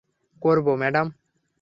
করব, ম্যাডাম।